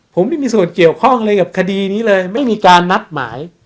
ผมไม่มีส่วนเกี่ยวข้องอะไรกับคดีนี้เลยไม่มีการนัดหมาย